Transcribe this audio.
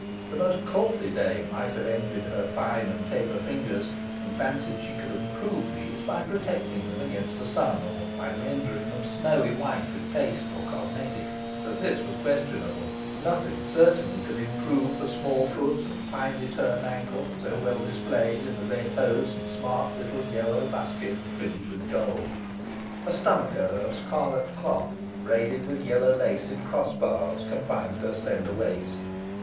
The most courtly dame might have envied her fine and taper fingers, and fancied she could improve them by protecting them against the sun, or by rendering them snowy white with paste or cosmetic, but this was questionable; nothing certainly could improve the small foot and finely turned ankle, so well displayed in the red hose and smart little yellow buskin, fringed with gold. A stomacher of scarlet cloth, braided with yellow lace in cross bars, confined her slender waist.